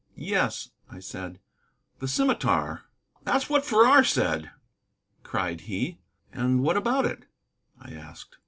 "Yes," I said, "the Scimitar." "That's what Farrar said," cried he. "And what about it?" I asked.